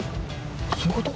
そういうこと？